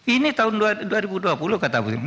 ini tahun dua ribu dua puluh kata ibu sri mulyani